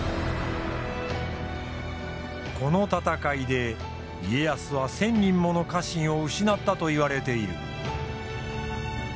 この戦いで家康は１，０００人もの家臣を失ったといわれている。